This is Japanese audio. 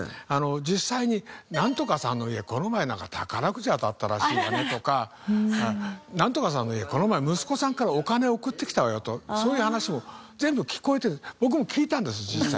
実際に「ナントカさんの家この前宝くじ当たったらしいわね」とか「ナントカさんの家この前息子さんからお金送ってきたわよ」とそういう話も全部聞こえて僕も聞いたんです実際。